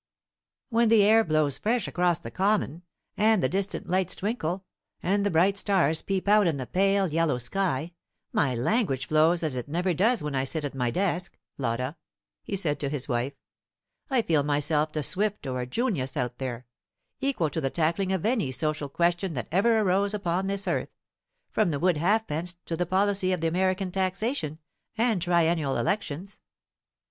"When the air blows fresh across the common, and the distant lights twinkle, and the bright stars peep out in the pale yellow sky, my language flows as it never does when I sit at my desk, Lotta," he said to his wife. "I feel myself a Swift or a Junius out there; equal to the tackling of any social question that ever arose upon this earth, from the Wood halfpence to the policy of American taxation, and triennial elections.